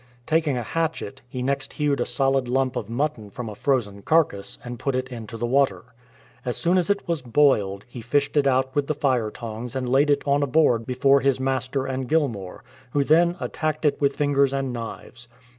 Taking a hatchet, he next hewed a solid lump of mutton from a frozen carcase and put it into the water. As soon as it was boiled, he fished it out with the fire tongs and laid it on a board before his master and Gilmour, who then attacked it with fingers and knives.